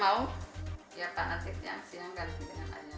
ya pak nanti yang ganti dengan ayam